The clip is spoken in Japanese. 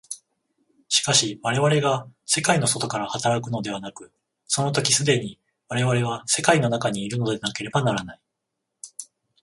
しかし我々が世界の外から働くのではなく、その時既に我々は世界の中にいるのでなければならない。